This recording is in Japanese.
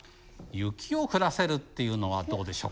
雪を降らせるっていうのはどうでしょうか？